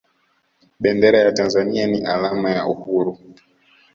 bendera ya tanzania ni alama ya uhuru